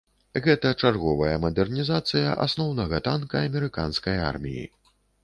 Гэта чарговая мадэрнізацыя асноўнага танка амерыканскай арміі.